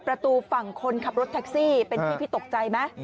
ประตูฝั่งคนขับรถแท็กซี่เป็นที่พี่ตกใจไหม